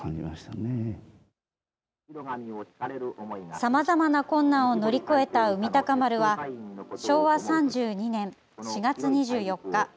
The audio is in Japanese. さまざまな困難を乗り越えた「海鷹丸」は昭和３２年４月２４日